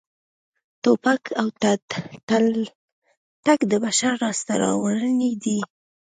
ټوپک او تلتک د بشر لاسته راوړنې دي